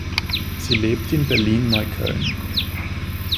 Sie lebt in Berlin-Neukölln.